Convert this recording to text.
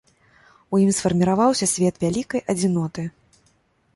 У ім сфарміраваўся свет вялікай адзіноты.